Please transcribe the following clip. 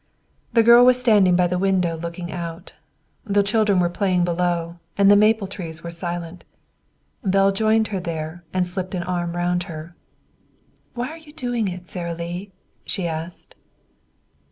The girl was standing by the window looking out. The children were playing below, and the maple trees were silent. Belle joined her there and slipped an arm round her. "Why are you doing it, Sara Lee?" she asked.